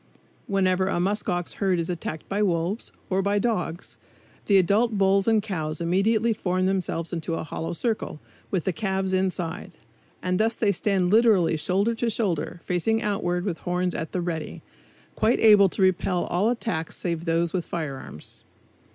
Whenever a musk ox herd is attacked by wolves, or by dogs, the adult bulls and cows immediately form themselves into a hollow circle, with the calves inside; and thus they stand literally shoulder to shoulder, facing outward with horns at the "ready," quite able to repel all attacks save those with firearms.